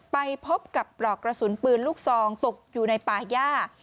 ไปพบกับปลอกกระสุนปืนลูกซองตกอยู่ในป่าย่า